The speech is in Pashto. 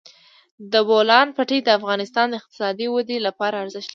د بولان پټي د افغانستان د اقتصادي ودې لپاره ارزښت لري.